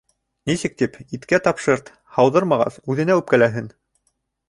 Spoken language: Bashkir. Нисек тип, иткә тапшырт, һауҙырмағас, үҙенә үпкәләһен.